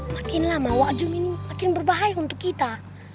makin lama wak jum ini makin berbahaya untuk kita